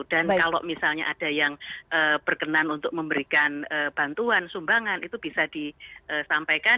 dan kalau misalnya ada yang berkenan untuk memberikan bantuan sumbangan itu bisa disampaikan